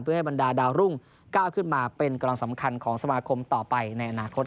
เพื่อให้บรรดาดาวรุ่งก้าวขึ้นมาเป็นกำลังสำคัญของสมาคมต่อไปในอนาคต